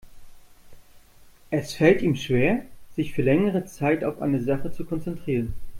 Es fällt ihm schwer, sich für längere Zeit auf eine Sache zu konzentrieren.